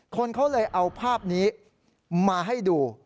คนเขาเลยเอาภาพนี้มาให้ดู